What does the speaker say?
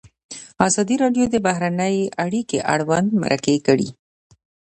ازادي راډیو د بهرنۍ اړیکې اړوند مرکې کړي.